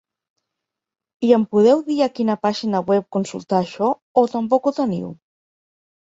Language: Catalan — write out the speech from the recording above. I em podeu dir a quina pàgina web consultar això o tampoc ho teniu?